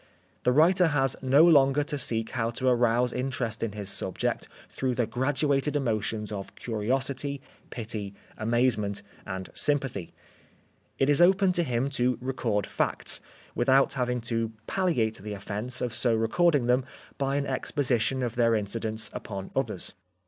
The writer has no longer to seek how to arouse interest in his subject through the graduated emotions of curiosity, pity, amazement and sympathy. It is open to him to record facts, without having to palliate the offence of so re cording them by an exposition of their incidence upon others.